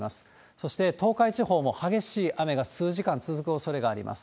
そして東海地方も激しい雨が数時間続くおそれがあります。